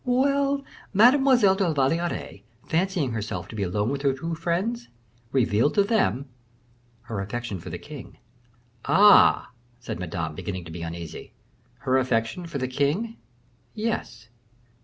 "Well! Mademoiselle de la Valliere, fancying herself to be alone with her two friends, revealed to them her affection for the king." "Ah!" said Madame, beginning to be uneasy, "her affection for the king?" "Yes."